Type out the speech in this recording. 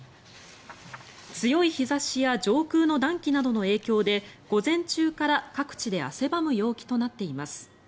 強い日差しや上空の暖気などの影響で午前中から各地で汗ばむ陽気となっています。